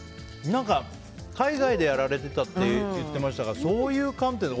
海外でやられてたって言ってましたからそういう観点で。